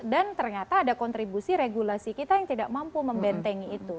dan ternyata ada kontribusi regulasi kita yang tidak mampu membentengi itu